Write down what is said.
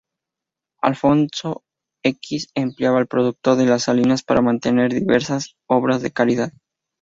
Alfonso X empleaba el producto de las salinas para mantener diversas obras de caridad.